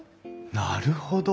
なるほど。